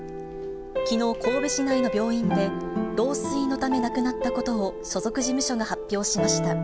きのう、神戸市内の病院で老衰のため亡くなったことを、所属事務所が発表しました。